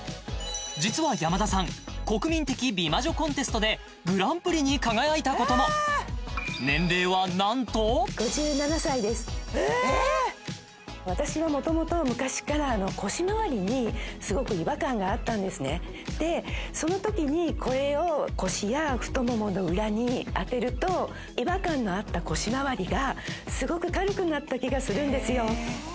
実は山田さん国民的美魔女コンテストでグランプリに輝いたことも年齢は何と私は元々でその時にこれを腰や太ももの裏に当てると違和感のあった腰まわりがすごく軽くなった気がするんですよ